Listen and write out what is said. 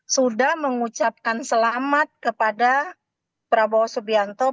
sudah mengucapkan selamat kepada prabowo subianto